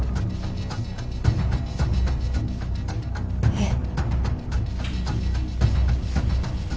えっ。